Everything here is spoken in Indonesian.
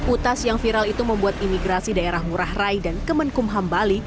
utas yang viral itu membuat imigrasi daerah ngurah rai dan kemenkumham bali